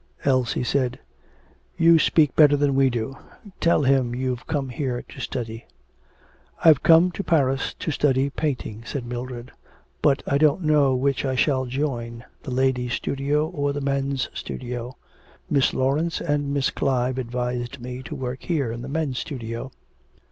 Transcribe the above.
Elsie said: 'You speak better than we do. Tell him you've come here to study.' 'I've come to Paris to study painting,' said Mildred. 'But I don't know which I shall join, the ladies' studio or the men's studio. Miss Laurence and Miss Clive advised me to work here, in the men's studio.'